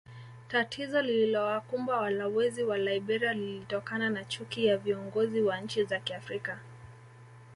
Tatizo lililowakumba walowezi wa Liberia lilitokana na chuki ya viongozi wa nchi za Kiafrika